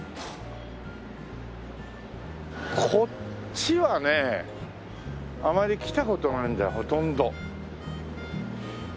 こっちはねあまり来た事ないんだよほとんど。